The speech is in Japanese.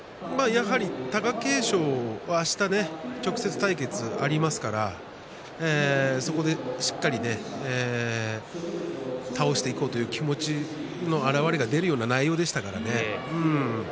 貴景勝は、あした直接対決がありますからそこでしっかり倒していこうという気持ちの表れが出るような内容でしたからね。